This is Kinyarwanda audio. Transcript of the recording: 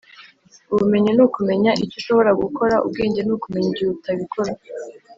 "ubumenyi ni ukumenya icyo ushobora gukora. ubwenge ni ukumenya igihe utabikora.